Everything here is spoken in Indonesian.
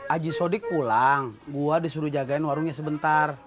aji sodiq pulang gua disuruh jagain warungnya sebentar